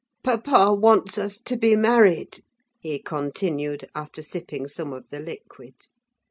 "Papa wants us to be married," he continued, after sipping some of the liquid.